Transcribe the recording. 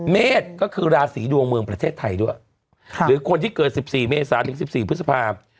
เมษก็คือราศีดวงเมืองประเทศไทยด้วยหรือคนที่เกิด๑๔เมษาถึง๑๔พฤษภาพ